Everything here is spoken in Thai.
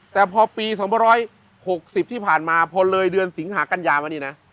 แต่พอปีสองพันห้าร้อยหกสิบที่ผ่านมาพอเลยเดือนสิงห์หากั้นยามานี่นะ